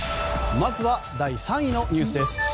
まずは第３位のニュースです。